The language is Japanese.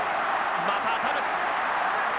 また当たる。